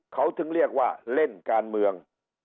เขาถึงเรียกว่าเล่นการเมือง